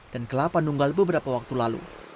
dan kelapa nunggal beberapa waktu lalu